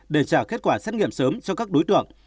để trả kết quả xét nghiệm sớm cho các đối tượng